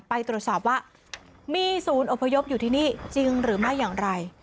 ไปตรวจสอบว่ามีศูนย์อพยพอยู่ที่นี่จริงหรือไม่อย่างไร